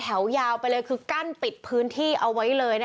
แต่ว่าไม่สามารถผ่านเข้าไปที่บริเวณถนน